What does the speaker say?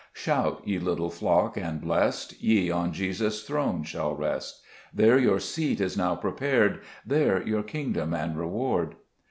3 Shout, ye little flock and blest ; Ye on Jesus' throne shall rest ; There your seat is now prepared, There your kingdom and reward.